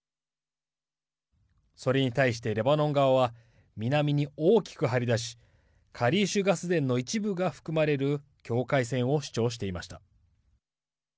それに対して、レバノン側は南に大きく張り出しカリーシュ・ガス田の一部が含まれる境界線を主張していました。